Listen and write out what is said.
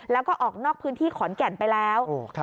แล้วก็ออกนอกพื้นที่ขอนแก่นไปแล้ว